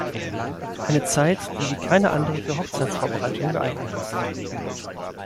Eine Zeit, die wie keine andere für Hochzeitsvorbereitungen geeignet ist.